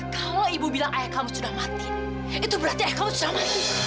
kalau ibu bilang ayah kamu sudah mati itu berarti ayah kamu bisa mati